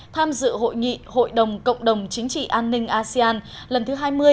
tham dự hội nghị hội đồng cộng đồng chính trị an ninh asean lần thứ hai mươi